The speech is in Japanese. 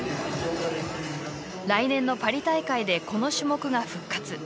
来年のパリ大会でこの種目が復活。